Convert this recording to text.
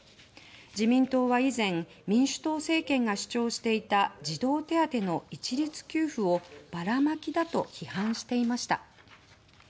自民党は以前民主党政権が主張していた児童手当の一律給付をバラマキだと批判していました。